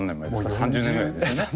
３０年ぐらいですよね。